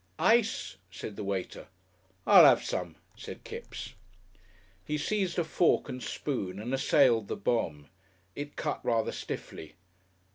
"Ice," said the waiter. "I'll 'ave some," said Kipps. He seized a fork and spoon and assailed the bombe. It cut rather stiffly.